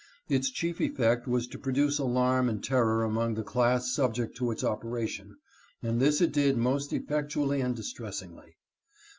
Its chief effect was to produce alarm and terror among the class subject to its operation, and this it did most effectually and distressingly.